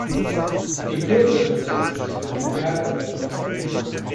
Je kürzer dieser ist, desto geringer die Halbwertszeit.